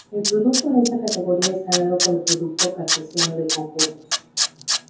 El producto en esta categoría está dado por el producto cartesiano de conjuntos.